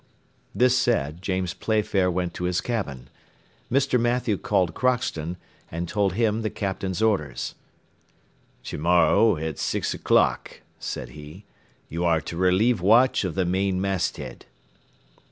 This said, James Playfair went to his cabin. Mr. Mathew called Crockston, and told him the Captain's orders. "To morrow, at six o'clock," said he, "you are to relieve watch of the main masthead."